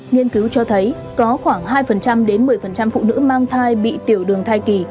nghiên cứu cho thấy có khoảng hai đến một mươi phụ nữ mang thai bị tiểu đường thai kỳ